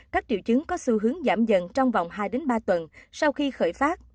các triệu chứng có xu hướng giảm dần trong vòng hai ba tuần sau khi khởi phát